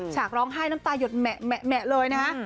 ฉากร้องไห้น้ำตาหยดแหมะเลยนะฮะ